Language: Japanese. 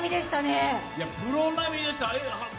プロ並みでしたね。